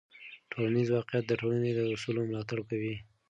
ټولنیز واقیعت د ټولنې د اصولو ملاتړ کوي.